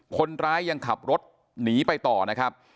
คนร้ายยังขับรถหนีไปต่อนะครับ